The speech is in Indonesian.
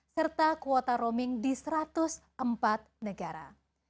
serta kuota roaming di satu ratus empat negara